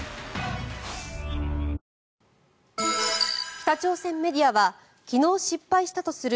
北朝鮮メディアは昨日失敗したとする